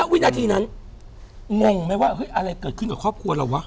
วินาทีนั้นงงไหมว่าเฮ้ยอะไรเกิดขึ้นกับครอบครัวเราวะ